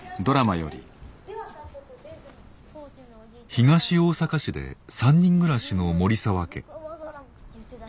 東大阪市で３人暮らしの森澤家。